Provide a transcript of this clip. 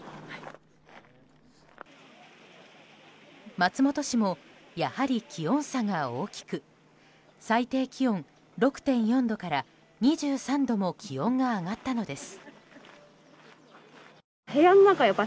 松本市もやはり気温差が大きく最低気温６．４度から２３度も気温が上がったのです。